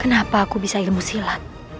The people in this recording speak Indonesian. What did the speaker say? kenapa aku bisa ilmu silat